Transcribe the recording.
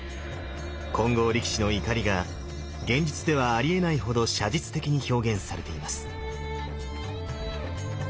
金剛力士の怒りが現実ではありえないほど写実的に表現されています。